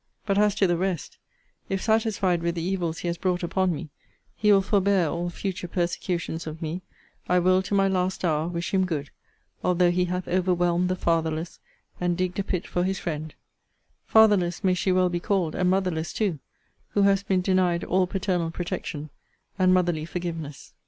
But as to the rest; if, satisfied with the evils he has brought upon me, he will forbear all further persecutions of me, I will, to my last hour, wish him good: although he hath overwhelmed the fatherless, and digged a pit for his friend: fatherless may she well be called, and motherless too, who has been denied all paternal protection, and motherly forgiveness.